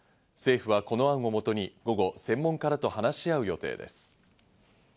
政府はこの案をもとに午後、専門家らと話し合う予定です。